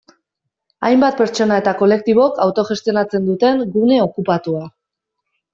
Hainbat pertsona eta kolektibok autogestionatzen duten gune okupatua.